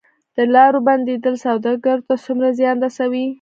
د لارو بندیدل سوداګرو ته څومره زیان رسوي؟